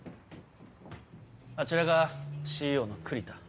あちらがＣＥＯの栗田。